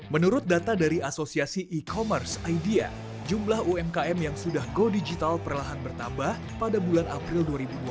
menurut data dari asosiasi e commerce idea jumlah umkm yang sudah go digital perlahan bertambah pada bulan april dua ribu dua puluh